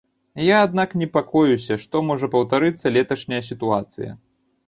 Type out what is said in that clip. Я, аднак, непакоюся, што можа паўтарыцца леташняя сітуацыя.